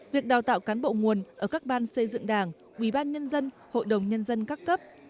việc đào tạo cán bộ nguồn ở các ban xây dựng đảng quý ban nhân dân hội đồng nhân dân các cấp